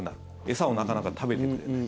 餌をなかなか食べてくれない。